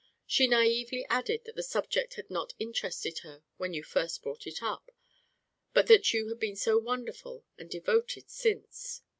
She naïvely added that the subject had not interested her when you first brought it up; but that you had been so wonderful and devoted since....